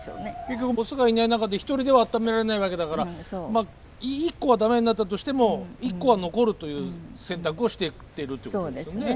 結局オスがいない中で一人では温められないわけだからまあ１個はダメになったとしても１個は残るという選択をしてるってことですね。